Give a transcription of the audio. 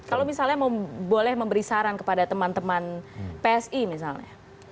kalau misalnya boleh memberi saran kepada teman teman psi misalnya